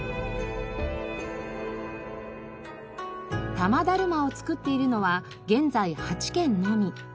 多摩だるまを作っているのは現在８軒のみ。